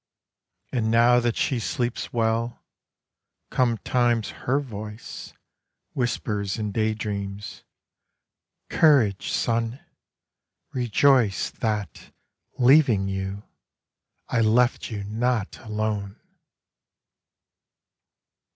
And now that she sleeps well, come times her voice Whispers in day dreams: "Courage, son! Rejoice That, leaving you, I left you not alone."